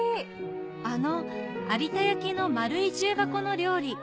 あの有田焼の丸い重箱の料理